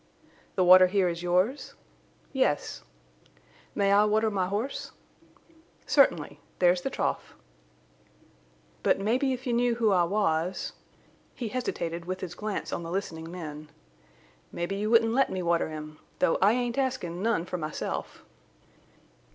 "The water here is yours?" "Yes." "May I water my horse?" "Certainly. There's the trough." "But mebbe if you knew who I was—" He hesitated, with his glance on the listening men. "Mebbe you wouldn't let me water him—though I ain't askin' none for myself."